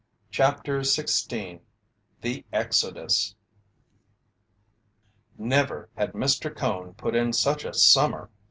CHAPTER XVI THE EXODUS Never had Mr. Cone put in such a summer!